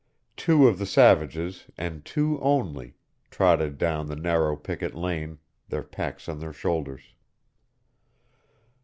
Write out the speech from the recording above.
Two of the savages, and two only, trotted down the narrow picket lane, their packs on their shoulders.